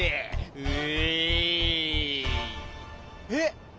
えっ？